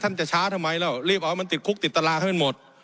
จะช้าทำไมแล้วรีบเอามันติดคุกติดตารางเข้าไปหมด